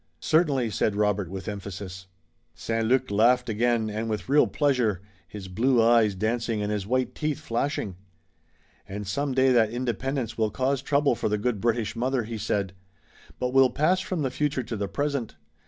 "Certainly!" said Robert, with emphasis. St. Luc laughed again and with real pleasure, his blue eyes dancing and his white teeth flashing. "And some day that independence will cause trouble for the good British mother," he said, "but we'll pass from the future to the present.